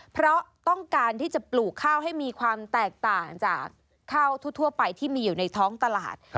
เพราะต้องการที่จะปลูกข้าวให้มีความแตกต่างจากข้าวทั่วไปที่มีอยู่ในท้องตลาด